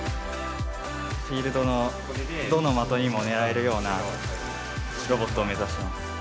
フィールドのどの的にも狙えるようなロボットを目指します。